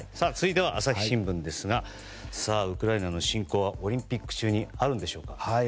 続いては朝日新聞ですがウクライナ侵攻はオリンピック中にあるんでしょうか。